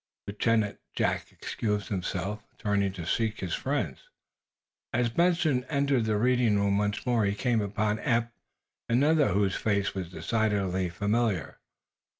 Lieutenant Jack excused himself, turning to seek his friends. As Benson entered the reading room once more he came upon Eph and another whose face was decidedly familiar.